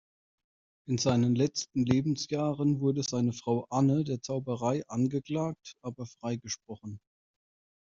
In seinen letzten Lebensjahren wurde seine Frau Anne der Zauberei angeklagt, aber freigesprochen.